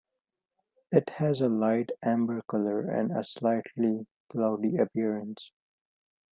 It has a light amber color and a slightly cloudy appearance.